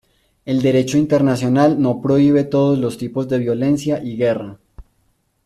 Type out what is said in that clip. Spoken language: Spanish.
El derecho internacional no prohíbe todos los tipos de violencia y guerra.